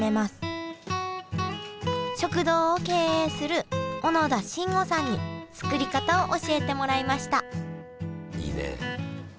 食堂を経営する小野田真悟さんに作り方を教えてもらいましたいいね。